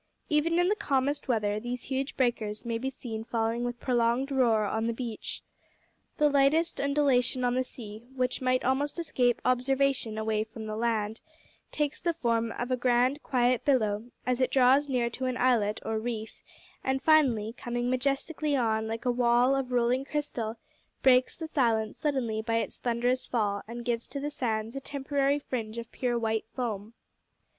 Even in the calmest weather these huge breakers may be seen falling with prolonged roar on the beach. The lightest undulation on the sea, which might almost escape observation away from land, takes the form of a grand, quiet billow as it draws near to an islet or reef, and finally, coming majestically on, like a wall of rolling crystal, breaks the silence suddenly by its thunderous fall, and gives to the sands a temporary fringe of pure white foam.